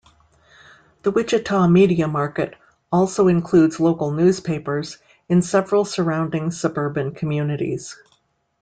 The Wichita media market also includes local newspapers in several surrounding suburban communities.